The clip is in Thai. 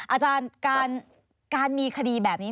อาจารย์การมีคดีแบบนี้